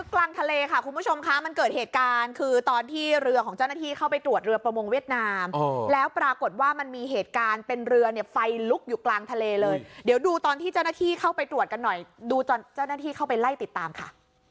กลางทะเลค่ะคุณผู้ชมคะมันเกิดเหตุการณ์คือตอนที่เรือของเจ้าหน้าที่เข้าไปตรวจเรือประมงเวียดนามแล้วปรากฏว่ามันมีเหตุการณ์เป็นเรือเนี่ยไฟลุกอยู่กลางทะเลเลยเดี๋ยวดูตอนที่เจ้าหน้าที่เข้าไปตรวจกันหน่อยดูตอนเจ้าหน้าที่เข้าไปไล่ติดตามค่ะ